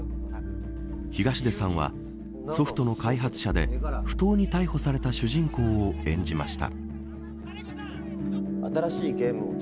東出さんは、ソフトの開発者で不当に逮捕された主人公を演じました。